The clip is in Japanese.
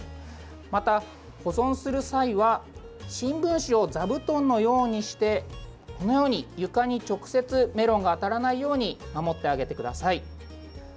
また、保存する際は新聞紙を座布団のようにしてこのように床に直接メロンが当たらないように守ってあげてください。